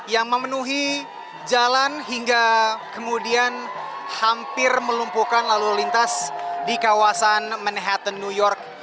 yang memenuhi jalan hingga kemudian hampir melumpuhkan lalu lintas di kawasan manhattan new york